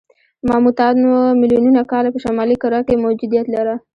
ماموتانو میلیونونه کاله په شمالي کره کې موجودیت لاره.